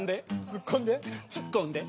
「ツッコんで！」